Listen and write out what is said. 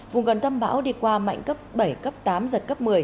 vùng gần tâm bão đi qua mạnh cấp bảy cấp tám giật cấp một mươi